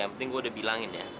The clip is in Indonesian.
yang penting gue udah bilangin ya